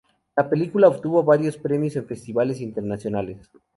La película obtuvo varios premios en festivales internacionales.